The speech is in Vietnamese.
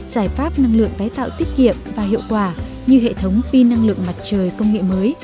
giải pháp năng lượng tái tạo tiết kiệm và hiệu quả như hệ thống pin năng lượng mặt trời công nghệ mới